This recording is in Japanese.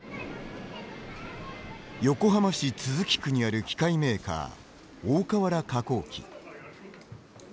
横浜市都筑区にある機械メーカー、大川原化工機。